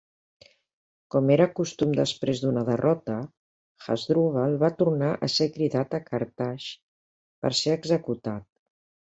Com era costum després d'una derrota, Hasdrubal va tornar a ser cridat a Carthage per ser executat.